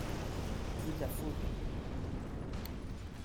De ta faute.